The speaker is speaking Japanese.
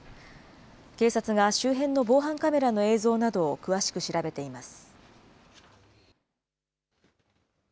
警察が周辺の防犯カメラの映像などを詳しく調べています。